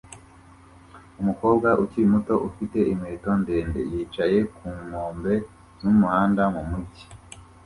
Umukobwa ukiri muto ufite inkweto ndende yicaye ku nkombe z'umuhanda mu mujyi